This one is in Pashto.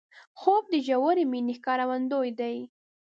خوب د ژورې مینې ښکارندوی دی